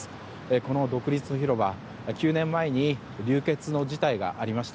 この独立広場、９年前に流血の事態がありました。